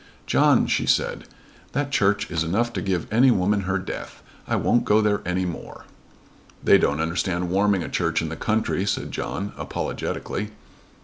"John," she said, "that church is enough to give any woman her death. I won't go there any more." "They don't understand warming a church in the country," said John apologetically.